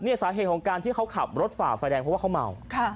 สาเหตุของการที่เขาขับรถฝ่าไฟแดงเพราะว่าเขาเมา